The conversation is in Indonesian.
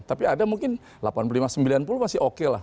tapi ada mungkin delapan puluh lima sembilan puluh masih oke lah